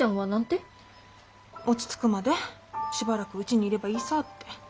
落ち着くまでしばらくうちにいればいいさぁって。